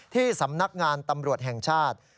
ที่สำนักงานตำรวจแห่งชาติ